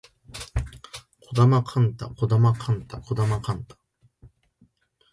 児玉幹太児玉幹太児玉幹太